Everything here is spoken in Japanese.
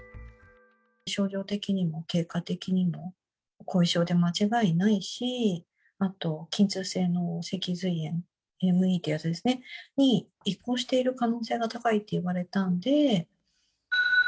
症状的にも経過的にも、後遺症で間違いないし、あと筋痛性の脊髄炎、ＭＥってやつですね、移行している可能性が高いと言われたんで。